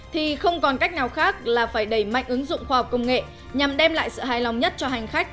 thì không còn cách nào khác là phải đẩy mạnh ứng dụng khoa học công nghệ nhằm đem lại sự hài lòng nhất cho hành khách